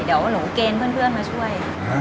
เดี๋ยวหนูค่อยมาช่วย